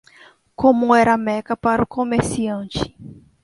como era Meca para o comerciante.